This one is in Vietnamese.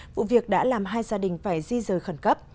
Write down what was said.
vụ việc đã làm hai gia đình phải di rời khẩn cấp